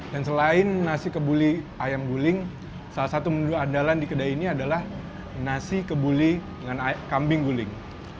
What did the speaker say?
dan selain nasi kebuli ayam guling salah satu menu andalan di kedai ini adalah nasi kebuli kambing guling